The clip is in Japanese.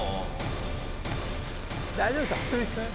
大丈夫でしょ。